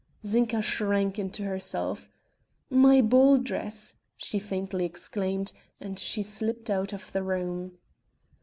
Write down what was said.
Zinka shrank into herself "My ball dress!" she faintly exclaimed, and she slipped out of the room.